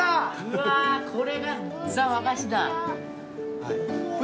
わこれがザ・和菓子だ！